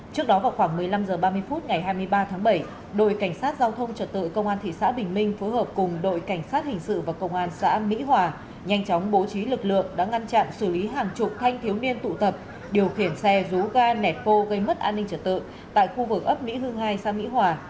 trước đó vào khoảng một mươi năm h ba mươi phút ngày hai mươi ba tháng bảy đội cảnh sát giao thông trật tự công an thị xã bình minh phối hợp cùng đội cảnh sát hình sự và công an xã mỹ hòa nhanh chóng bố trí lực lượng đã ngăn chặn xử lý hàng chục thanh thiếu niên tụ tập điều khiển xe rú ga nẻ pô gây mất an ninh trật tự tại khu vực ấp mỹ hương hai xã mỹ hòa